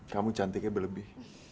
kamu cantiknya berlebih